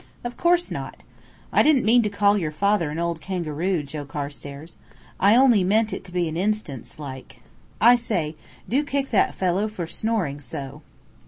"Of course not. I didn't mean to call your father an old kangaroo, Joe Carstairs. I only meant it to be an instance like. I say, do kick that fellow for snoring so."